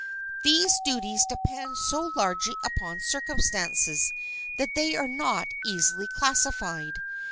These duties depend so largely upon circumstances that they are not easily classified.